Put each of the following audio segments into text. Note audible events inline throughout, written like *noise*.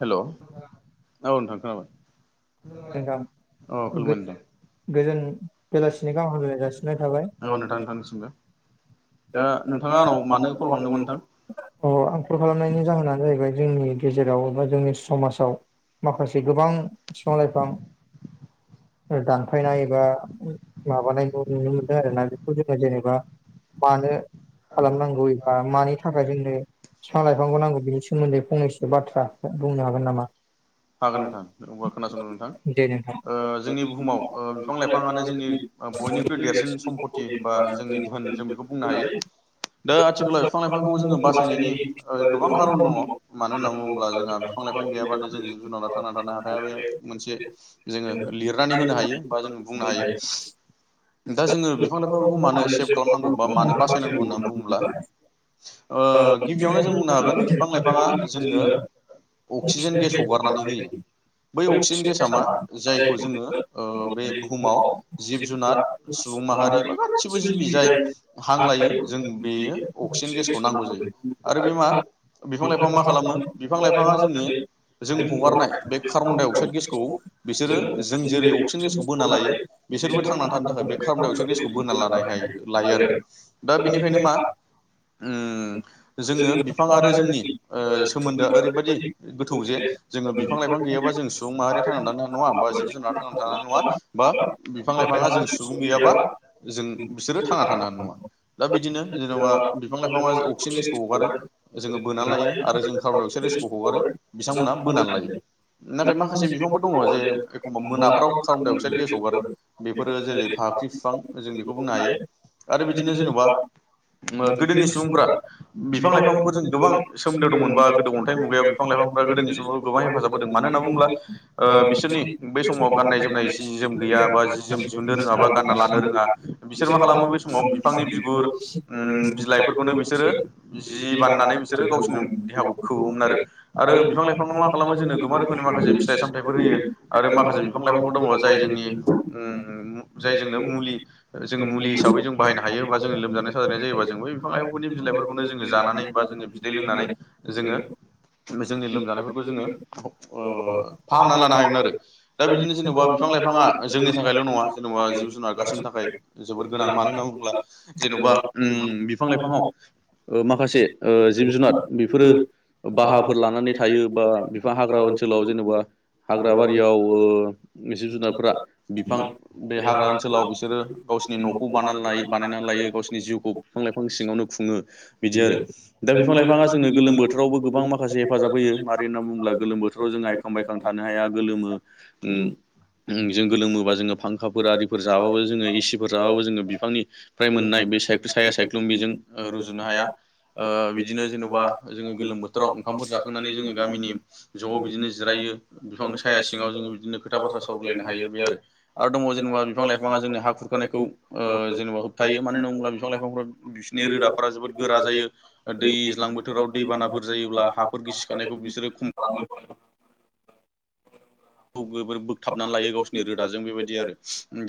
हेल' औ नोंथां खुलुमबाय खोनाबाय अ नोंथां खुलुमदों औ गोजोन बेलासिनि गाहाम हामलायनाय जासिनाय थाबाय नोंथां थांनो सानदों मानो कल खालामदोंमोन नोंथां आं खल खालामनायनि जाहोनानो जाहैबाय जोंनि गेजेराव एबा जोंनि समाजाव माखासे गोबां बिफां लाइफां दानफायनाय एबा माबानायखौ नुनो मोनदों आरोना बेखौ जोङो जेनेबा मानो खालामनांगौ एबा मानि थाखाय जोंनो बिफां लाइफांखौ नांगौ बिनि सोमोन्दै फंनैसो बाथ्रा बुंनो हागोन नामा हागोन नोंथांबा खोनासंनो नोंथां दे नोंथां जोंनि बुहुमाव बिफां लाइफाङानो जोंनि बयनिख्रुइ देरसिन सम्पति बा जोंनि धोन जों बेखौ बुंनो हायो दा आथिखालाव बिफां लाइफांखौ जोङो बासायनायनि गोबां खारन दङ मानो होनना बुङोब्ला जोंहा बिफां बिफां लाइफां गैयाबानो जों जुनारा थांना थानो हाखाया बे मोनसे जोङो लिरनानै होनो हायो बा जो बुंनो हायो *inaudible* दा जोङो बिफां लाइफांफोरखौ मानो सेभ खालामनांगौ बा मानो बासायनांगौ होननानै बुङोब्ला गिबियावनो जों बुंनो हागोन बिफां लाइफाङा जोङो अक्सिजेन गेस हगारनानै होयो बै अक्सिजेन गेसा मा जायखौ जोङो बे बुहुमाव जिब जुनार सुबुं माहारि बा गासिबो जिबि जाय हां लायो जों बेयो अक्सिजेन गेसखौ नांगौ जायो आरो बे मा बिफां लाइफाङा मा खालामो बिफां लाइफाङा जोंनो जों हगारनाय बे कार्बन डाइ अक्साइड गेसखौ बिसोरो जों जेरै अक्सिजेन गेसखौ बोना लायो बिसोरबो थांनानै थानो थाखाय बे खारनायाव बिसोर गेसखौ बोना लानायहाय लायो आरो दा बेनिखायनो मा ओ जोङो बिफां आरो जोंनि सोमोन्दोआ ओरैबायदि गोथौ जे जोङो बिफां-लाइफां गैयाबा जों सुबुं माहारिया थांनानै थानो हानाय नङा बा जिब-जुनारा थांनानै थानो हानाय नङा बा बिफां-लाइफां ङा जों सुबुं गैयाबा जों बिसोरो थांना थानो हानाय नङा औ दा बिदिनो जेन'बा बिफां-लाइफाङा अक्सिजेन गेसखौ हगारो जोङो बोनानै लायो आरो जों कार्बनडाइ अक्साइड खौ हगारो आरो बिथांमोनहा बोनानै लायो नाथाय माखासे बिफांबो दङ' जे एखमबा मोनाफ्राव कार्बनडाइ अक्साइड गेस हगारो । बेफोरो जेरै फाख्रि फिफां जों बेखौ बुंनो हायो आरो बिदिनो जेन'बा ओ गोदोनि सुबुंफोरा बिफां-लाइफांफोरजों गोबां सोमोन्दो दंमोन बा गोदो अन्थाइ मुगायाव बिफां-लाइफां गोदोनि सुबुं गोबां हेफाजाब होदों मानो होननानानै बुंब्ला ओ बिसोरनि बे समाव गाननाय-जोमनाय जि-जोम गैया बा जि-जोम दिहुननो रोङा बा गानना लानो रोङा बिसोर मा खालामो समाव बिफांनि बिगुर ओम बिलाइफोरखौनो बिसोरो जि बानायनानै बिसोरो गावसोरनि देहाखौ खोबोमोन आरो आरो बिफां लाइफांखौ मा खालामो जोंनो गोबां रोखोमनि माखासे फिथाइ सामथायफोर होयो आरो मा माखासे बिफां-लाइफांबो दङ जाय जोंनि ओम जाय जोंनो मुलि जों मुलि हिसाबै जों बाहायनो हायो बा जोङो लोमजानाय-साजानाय जायोबा जों बै बे बिफां-लाइफांफोरनि बिलाइफोरखौ जोङो जानानै बा जों बिदै लोंनानै जोङो जोंनि लोमजानायफोरखौ जोङो ओ फाहामनाना लानो हायोमोन आरो दा बिदिनो जेन'बा बिफां-लाइफाङा जोंनि थाखायल' नङा जेन'बा जिब-जुनार गासिनि थाखाय जोबोर गोनां मानो होनना बुङो जेन'बा ओम बिफां-लाइफाङाव ओ माखासे ओ जिब-जुनार बेफोरो बाहाफोर लानानै थायो बा बिफां हाग्रा ओनसोलाव जेन'बा हाग्रा बारियाव ओ जिब-जुनारफोरा बिफां बे हाग्रा ओनसोलाव बिसोरो गावसिनि न'खौ बाना बानायनानै लायो गावसिनि जिउखौ बिफां-लाइफां सिङावनो खुङो बिदि आरो दा बिफां-लाइफाङा जोंनो गोलोम बो बोथोरावबो गोबां माखासे हेफाजाब होयो मारै होननानानै बुङोब्ला गोलोम बोथोराव जों आयखां बायखां थानो हाया गोलोमो ओम *unintelligible* बोबा जोङो फांखाफोर आरिफोर जाबाबो जोङो एसिफोर जाबाबो जोङो बिफांनिफ्राय मोननाय बे साया सायख्लुम बिजों रुजुनो हाया ओ बिदिनो जेन'बा जोङो गोलोम बोथोराव ओंखामफोर जाखांनानै जोङो गामिनि ज'आव बिदिनो जिरायो बिफांनि साया सिङाव जो बिदिनो खोथा बाथ्रा सावरायायनायनानै हायो बे आरो दङ' जेनेबा बिफां-लाइफाङा जोंनि हा खुरखानायखौ ओ जेन'बा होबथायो मानो होनना बुङोब्ला बिफां लाइफांफोरा बिसिनि रोदाफोरा जोबोर गोरा जायो ओ दै दैलां बोथोराव दैबानाफोर जायोब्ला हाफोर गिसिखानायखौ बिसोरो खम *unintelligible* बोगथाबनानै लायो गावसिनि रोदाजों बेबायदि आरो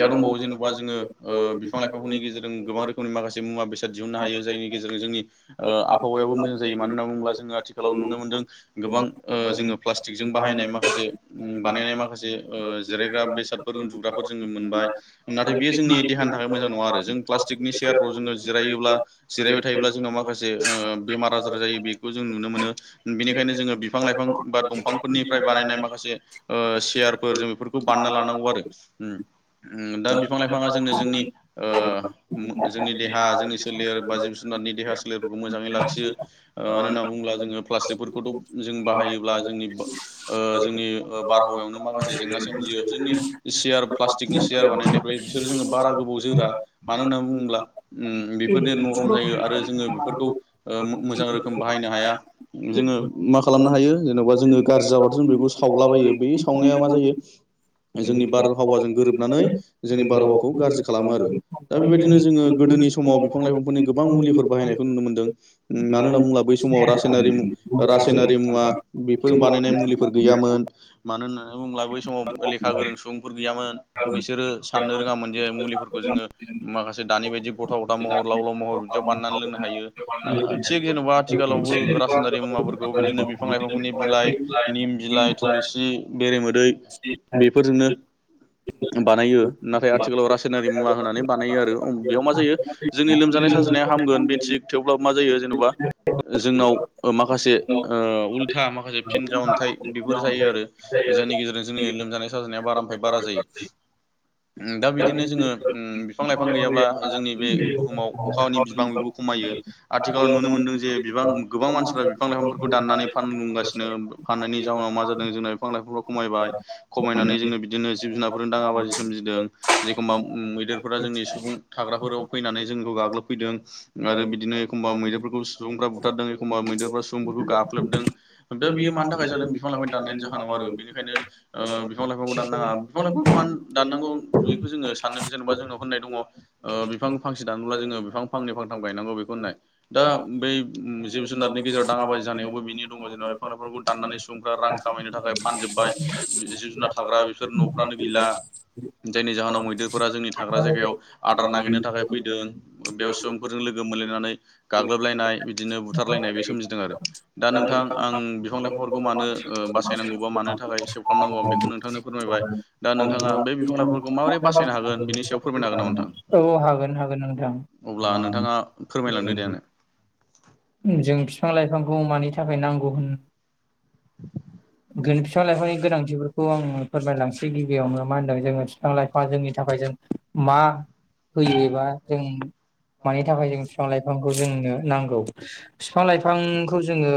दा दंबावो जेन'बा जोङो ओ बिफां-लाइफांफोरनि गेजेरजों गोबां रोखोमनि माखासे मुवा-बेसाद दिहुुननो हायो जायनि गेजेरजों जोंनि ओ आबहावाया *unintelligible* जायो मानो होननानै बुङोब्ला जोङो आथिखालाव नुनो मोनदों गोबां ओ जोङो प्लास्टिकजों बाहायनाय माखासे बानायनाय माखासे ओ जिरायग्रा बेसादफोर उन्दुग्राफोर जोङो मोनबाय नाथाय बेयो जोंनि देहानि थाखाय मोजां नङा आरो जों प्लास्टिकनि सेयारफ्राव जोङो जिरायोब्ला जिरायबाय थायोब्ला जोंनाव माखासे ओ बेमार आजार जायो बेखौ जों नुनो मोनो बेनिखायनो जोङो बिफां लाइफां बा दंफांफोरनिफ्राय बानायनाय माखासे ओ सेयारफोर जों बेफोरखौ बानायना लानांगौ आरो ओम ओम दा बिफां-लाइफाङा जों नो जोंनि ओ जोंनि देहा जोंनि सोलेर बा जिब जुनारनि देहा सोलेरफोरखौ मोजाङै ला ओ मानो होनना बुङोब्ला जोङो प्लासस्टिकफोरखौथ' जों बाहायोब्ला जोंनि ओ जोंनि बारहावायावनो माखासे जेंना सोमजियो जोंनि सियार प्लास्टिकनि सियार बानायनायफ्राय बिसोर जो बारा गोबाव जोरा मानो होनना बुङोब्ला बेफोरनो नरम जायो आरो जोङो बेफोरखौ ओ मोजां रोखोम बाहायनो हाया जोङो मा खालामनो हायो जेन'बा जोङो गाज्रि जाबा जों बेखौ सावलाबायो बे सावनाया मा जायो जोंनि बारहावाजों गोरोबनानै जोंनि बारहावाखौ गाज्रि खालामो आरो दा बेबायदिनो जोङो गोदोनि समाव बिफां-लाइफांफोरनि गोबां मुलिफोर बाहायनायखौ नुनो मोनदों मानो होनना बुङोब्ला बै समाव रासायनारि रासायनारि मुवा बेफोर बानायनाय मुलिफोर गैयामोन मानो होननानै बुङोब्ला बै समाव लेखा गोरों सुबुंफोर गैयामोन बिसोरो साननो रोङामोन जे मुलिफोरखौ जोङो माखासे दानि बायदि गथा गथा महर लाव लाव महर याव बनानै लोंनो हायो थि जेन'बा आथिखालावबो रासायनारि मुवाफोरखौ बिदिनो बिफां लाइफांखौ बिलाइ निम बिलाइ थुलुसि बेरेमोदै बेफोरजोंनो बानायो नाथाय आथिखालाव रासायनारि मुवा होनानै बानायो आरो बेयाव मा जायो जोंनि लोमजा जानाय साजानाया हामगोन बे थिग थेवब्लाबो मा जायो जेनेबा जोंनाव माखासे ओ जुथा माखासे फिनजा अन्थाइ बेफोर जायो आरो जायनि गेजेरजों जोंनि लोमजानाय साजानाया बारानिफ्राय बारा जायो दा बिदिनो जोङो बिफां लाइफां गैयाब्ला जोंनि बे बुहुमाव अखानि बिबां बेबो खमायो आथिखालाव नुनो मोनदों जे बिबां गोबां मानसिफ्रा बिफां लाइफांफोरखौ दाननानै फानुंगासिनो फाननानै नि जााहोननाव मा जादों जोंना बिफां लाइफांफाव खमायबाय खमायनानै जोङो बिदिनो जिब जुनारफोरजों दाङा बाजि सोमजिदों एखमबा उम मैदेरफोरा जोंनि सुबुं थाग्राफोराव फैनानै जोंखौ गाग्लोबफैदों आरो बिदिनो एखमबा मैदरफोरखौ सुबुंफोरा बुथारदोंखा मैदेरफोरा सुबुंफोरखौ गाख्लबदों दा बेयो मानि थाखाय जादों बिफां लाइफां दाननायानो जाहोनाव आरो बेनिखायनो बिफां लाइफांखौ दाननाङा बिफां लाइफांखौ मानो दाननांगौ बिनिखौ जोङो सानो जेनेबा जोंङो होननाय दङ बिफां फांसे दानोब्ला जोङो बिफां फांनै फांथाम गायनांगौ बेखौ दा बै जिब जुनारनि गेजेराव दाङा बाजि जानायावबोनि दङ जेनेबा बिफां लाइफांफोरखौ दानानै सुबुंफ्रा रां खामायनो थाखाय फानजोबबाय जिब जुनार थाग्रा बेफोर न'फ्रानो गैला जायनि जाहोनाव मैदेरफोरा जोंनि थाग्रा जायगायाव आदार नागिरनो थाखाय फैदों बेयाव सुबुंफोरजों लोगो मोन लायनानै गाग्लोबलायनाय बिदिनो बुथारलायनाय बे सोमजिदों आरो दा नोंथां आं बिफां लाइफांफोरखौ मानो ओ बास यनांगौ मा थाखाय सेभ खालामनांगौ बेखौ नोंथांनो फोरमायबाय दा नोंथाङा बे बिफांइफोरखौ माबोरै बासायनो हागोन बिनि सायाव फोरमायनो हागोन नामा नोंथां औ हागोन हागोन नोंथां अब्ला नोंथाङा फोर *unintelligible* जों बिफां लाइफांखौ मानि थाखाय नांगौ होन बिफां लाइफांनि गोनांथिफोरखौ आङो फोरमायलांसै गिबियावनो मा होन्दों जोङो बिफां लाइफां जोंनि थाखाय जों मा होयोबा जों मानि थाखाय जों बिफां लाइफांखौ जोंनो नांगौ बिफां लाइफांखौ जोङो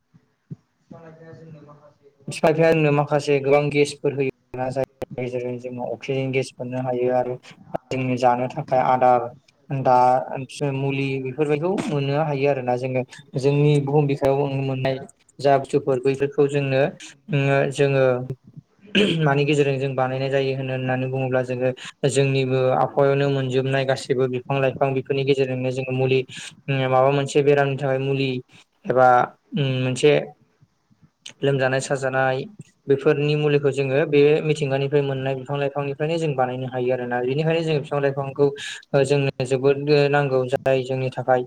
*unintelligible* बिफां *unintelligible* माखासे गोबां गेसफोर होयो *unintelligible* अक्सिजेन गेस मोननो हायो आरो जोंनि जानो थाखाय आदार दा मुलि बेफोरबायदिखौ मोननो हायो आरो ना जोङो जोंनि बुहुम बिखायाव मोननाय जा बुस्थुफोर बैफोरखौ जोंनो ङो जोङो मानि गेजेरजों जों बानायनाय जायो होनो होननानै बुङोब्ला जोङो जोंनिबो आखहायावनो मोनजोब नाय गासिबो बिफां लाइफां बिफोरनि गेजेरजोंनो जों मुलि माबा मोनसे बेरामनि थाखाय मुलि एबा उम मोनसे लोमजानाय जानाय बेफोरनि मुलिखौ जोङो बे मिथिंगानिफ्राय मोननाय बिफां लाइफांनिफ्रायनो जों बानायनो हायो आरो आरोना बेनिखायनो जोंङ बिफां लाइफांखौ जोंनो जोबोद नांगौ जाय जोंनि थाखाय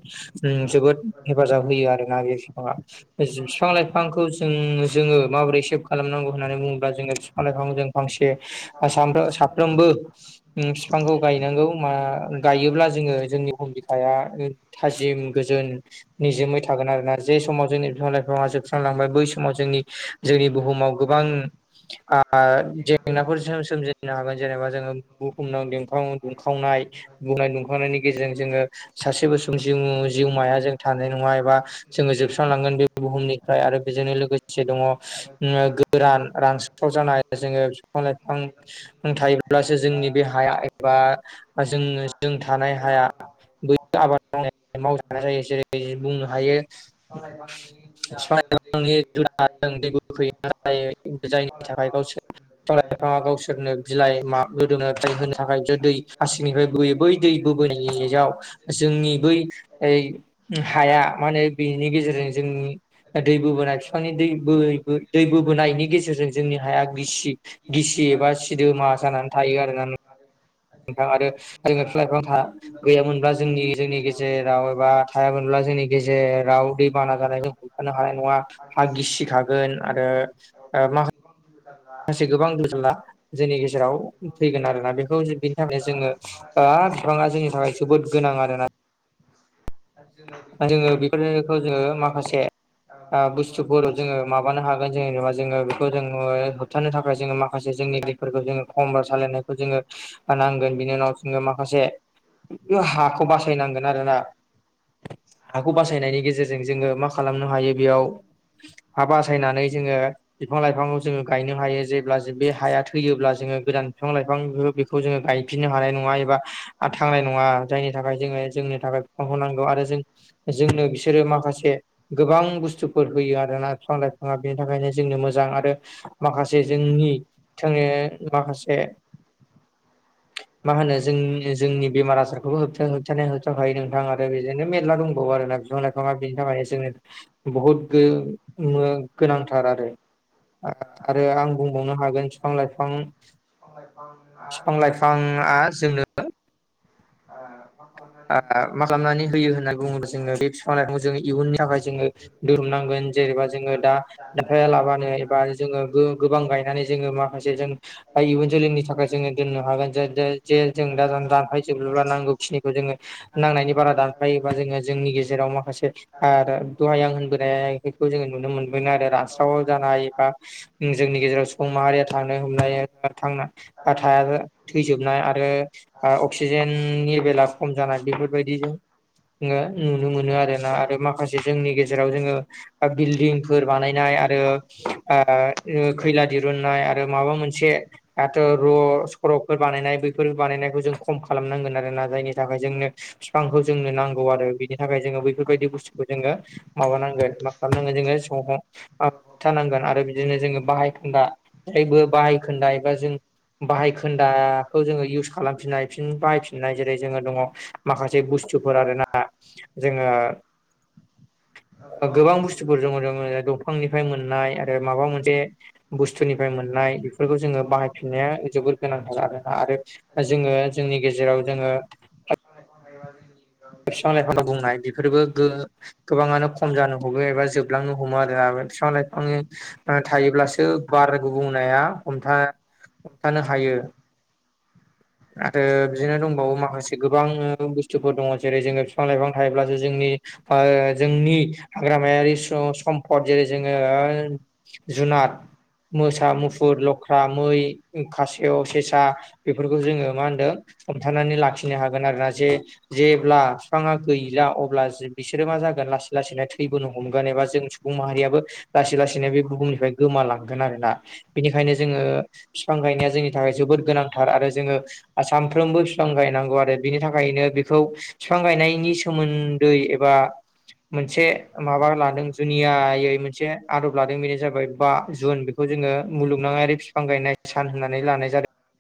जोबोद हेफाजाब होयो आरो ना बे फिफाङा बिफां लाइफांखौ जों जोङो माबोरै सेभ खालामनांगौ होननानै बुङोब्ला जोङो बिफां लाइफां जों फांसे सान साफ्रोमबो उम बिफांखौ गायनांगौ मा गायोब्ला जोङो जोंनि हम बिखाया ओ थाजिम गोजोन निजोमै थागोन आरोना जे समाव जोंनि बिफां लाइफाङा जोबस्रांलांबाय बै समाव जोंनि जोंनि बुहुमाव गोबां ओ जेंनाफोरजों सोमजिनो हागोन जेनेबा जोङो बुहुमनाव दुंखावनाय बुंनाय दुंखांनायनि गेजेरजों जोङो सासेबो समोम जिउमाया जों थानाय नङा एबा जोङो जोबस्रांलांगोन बे बुहुमनिफ्राय आरो बेजोंनो लोगोसे दङ गोरान रानस्राव जानाय जोङो बिफां लाइफां थायोब्लासो जोंनि बे हाया बा जों जों थानाय हाया बे आबाद माव माव जेरै बुंनो हायो बिफां लाइफांनि बिफां *inaudible* लाइफांनि होनो *unintelligible* थाखाय जायनि थाखाय गावसोरफाङा गावसोरनो बिलाइ मा *unintelligible* याव जोंनि बै *inaudible* हाया मा होनो बेनि गेजेरजों जोंनि दै बोबोनाय बिफांनि दै बैबो दै बोबोनायनि गेजेरजों जोंनि हाया गिसि गिसि एबा सिदोमा जानानै थायो आरोना नों नोंथां आरो जों बिफां लाइफां गैयामोनब्ला जोंनि जोंनि गेजेराव एबा थायामोनब्ला जोंनि गेजेराव दै बाना जानायखौ हमथानो हानाय नङा हा गिसिखागोन आरो मा माखासे गोबां गोजाला जोंनि गेजेराव फैगोन आरोना बेखौ बिनि थाखायनो जोङो बिफाङा जोंनि थाखाय जोबोद गोनां आरोना आरो जोंना बेफोरो माखासे बुस्थुफोर जोङो माबानो हागोन जेनेबा जोङो बेखौ जों होबथानो थाखाय जोङो माखासे जोंनि दैफोरखौ जोङो खमबार सालायनायखौ जोङो नांगोन बिनि उनाव जोङो माखासे हाखौ बासायनांगोन आरोना हाखौ बासायनायनि गेजेरजों जोङो मा खालामनो हायो बेयाव हा बासायनानै जोङो बिफां लाइ फां जोङो गायनो हायो जेब्ला बे हाया थैयोब्ला जोङो गोदान बिफां लाइफां बेखौ जोङो गायफिनो हायो नङा एबा थांनाय नङा जायनि थाखाय जोङो जोंनि थाखाय बिफांखौ नांगौ आरो जों जोंनो बिसोरो माखासे गोबां बुस्थुफोर होयो आरोना बिफां लाइफाङा बेनि थाखायनो जोंनो मोजां माखासे जोंनि माखासे मा होनो जों जोंनि बेमार आजारखौबो होब होबथानाय होबथाखायो नोंथां आरो बेजों मेरला दंबावो आरोना बिफां लाइफां बिनि थाखायनो जो बहुत गोनांथार आरो आं बुंबावनो हागोन बिफां लाइफां बिफां लाइफाङा जोंनो आ *inaudible* मा खालामनानै होयो होन्नानै बुङोब्ला जोङो बे बिफां लाइफांखौ जोङो इयुननि थाखाय जोङो दोरोमनांगोन जे एबा जोङो दा लाबानो एबा जोङो गोबां गायनानै जोङो माखासे जों इयुन जोलैनि थाखाय जोङो दोननो हागोन जे जों दा दानफाय जोबब्ला नांगौ खिनि जोङो नांनायनि बारा दानफायोबा जोङो जोंनि गेजेराव माखासे दहाय आं होनबोनाया नुनो मोनगोन आरो रास्राव जानाय एबा जोंनि गेजेराव सुबुं माहारिया थांनो हम *unintelligible* थैजोबनाय आरो अक्सिजेननि बेला खम जानाय बेफोरबायदिजों जोङो नुनो मोनो आरोना आरो माखासे जोंनि गेजेराव जोङो बिल्डिंफोर बानायनाय खैला दिरुननाय आरो माबा मोनसे स्क्र'फोर बानायनाय बैफोर बानायनायखौ जों खम खालामनांगोन आरो ना जायनि थाखाय जोंनो बिफांखौ जोंनो नांगौ आरो बिनि थाखाय जोङो बैफोरबायदि बुस्थुखौ जोङो माबानांगोन मा खालामनांगोन जोङो समाव होबथानांगोन आरो बिदिनो जोङो बाहाय खान्दा जायबो बाहाय खोन्दा एबा जों बाहाय खोन्दाखौ जोङो इउस खालामफिनाय फिन बाहायफिननाय जेरै दङ माखासे बुस्थुफोर आरोना जोङो गोबां बुस्थुफोर दङ दङ दंफांनिफ्राय मोननाय आरो माबा मोनसे बुस्थुनिफ्राय मोन बेफोरखौ जोङो बाहायफिननाया जोबोर गोनांथार आरोना आरो जोङो जोंनि गेजेराव जोङो *inaudible* बिफां लाइफां बुंनाय बेफोरबो गोबाङानो खम जानो हमो एबा जोबलांनो हमो आरो बिफां लाइफांनि थायोब्लासो बार गुबुंनाया हमथा हमथानो हायो आरो बिदिनो दंबावो माखासे गोबां बुस्थुफोर दङ जेरै जोङो बिफां लाइफां थायोब्लासो जोंनि जोंनि हाग्रामायारि सम्पद जेरै जोङो जुनाद मोसा मुफुर लख्रा मै खासेयाव सेसा बे जोङो मा होनदों हमथानानै लाखिनो हागोन आरो ना जे जेब्ला फिफाङा गैला अब्ला बिसोरो मा जागोन लासै लासैनो थैबोनो हमगोन एबा जों सुबुं माहारियाबो लासै लासैनो बे बुहुमनि गोमाालांगोन आरोना बेनिखायनो जोङो बिफां गायनाया जोंनि थाखाय जोबोद गोनांथार आरो ना जोङो सानफ्रोमबो बिफां गायनांगौ आरो बिनि थाखायनो बेखौ बिफां गायनायनि सोमोन्दै मोनदै एबा मोनसे माबा लादों जुनियायै मोनसे आदब लादों बेनो जाबाय बा जुन बेखौ जोङो मुलुगनाङारि बिफां गायनाय सान होननानै लानाय जादों